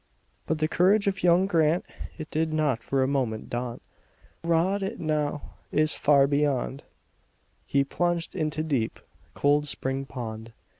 But the courage of young Grant, It did not for a moment daunt, Though rod it now is far beyond, He plunged into deep, cold spring pond.